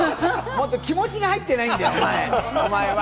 気持ちが入ってないんだよ、お前は。